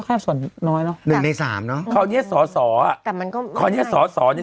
ครอบนี้สอสอด้วย